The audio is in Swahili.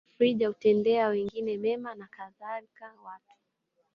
tafrija kutendea wengine mema na kadhalika Watu